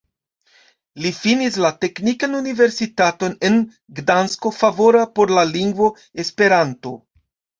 Li finis la Teknikan Universitaton en Gdansko, favora por la lingvo Esperanto.